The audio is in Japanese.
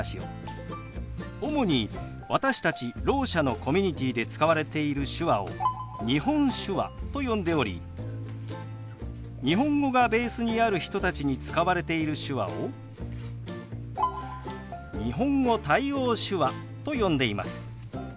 主に私たちろう者のコミュニティーで使われている手話を日本手話と呼んでおり日本語がベースにある人たちに使われている手話を日本語対応手話と呼んでいます。